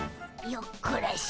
よっこらしょ。